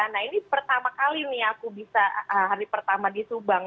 nah ini pertama kali nih aku bisa hari pertama di subang